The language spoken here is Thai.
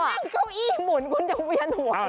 กูนั่งเก้าอี้หมุนคุณจะเวยนหัว